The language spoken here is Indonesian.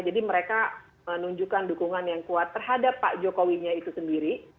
jadi mereka menunjukkan dukungan yang kuat terhadap pak jokowinya itu sendiri